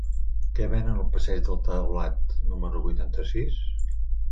Què venen al passeig del Taulat número vuitanta-sis?